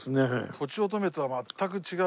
とちおとめとは全く違う。